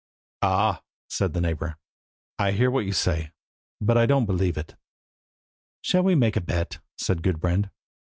"Ah," said the neighbour, "I hear what you say, but I don't believe it." "Shall we make a bet?" said Gudbrand.